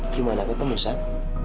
gimana ketemu saat